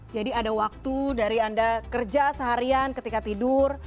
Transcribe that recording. jadi ada waktu dari anda kerja seharian ketika tidur